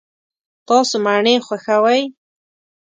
تاسو مڼې خوښوئ؟